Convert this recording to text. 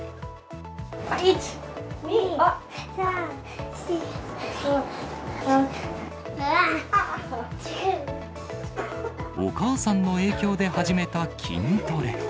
１、２、３、４、５、お母さんの影響で始めた筋トレ。